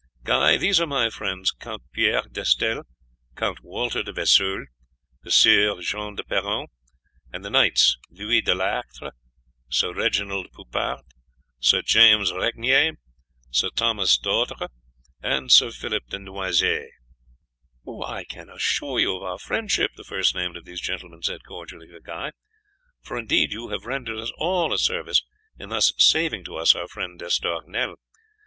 Guy, these are my friends Count Pierre d'Estelle, Count Walter de Vesoul, the Sieur John de Perron, and the Knights Louis de Lactre, Sir Reginald Poupart, Sir James Regnier, Sir Thomas d'Autre, and Sir Philip de Noisies." "I can assure you of our friendship," the first named of these gentlemen said cordially to Guy, "for indeed you have rendered us all a service in thus saving to us our friend D'Estournel.